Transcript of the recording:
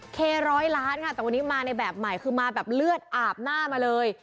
เคร้อยล้านค่ะแต่วันนี้มาในแบบใหม่คือมาแบบเลือดอาบหน้ามาเลย